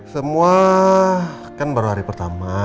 semua kan baru hari pertama